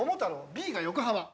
Ｂが横浜」